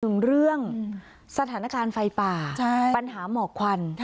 ถึงเรื่องสถานการณ์ไฟป่าปัญหาหมอกควัน